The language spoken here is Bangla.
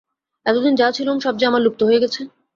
এতদিন যা ছিলুম সব যে আমার লুপ্ত হয়ে গেছে।